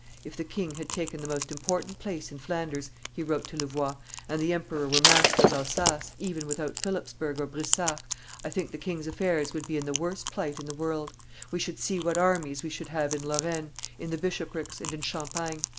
"If the king had taken the most important place in Flanders," he wrote to Louvois, "and the emperor were master of Alsace, even without Philipsburg or Brisach, I think the king's affairs would be in the worst plight in the world; we should see what armies we should have in Lorraine, in the Bishoprics, and in Champagne.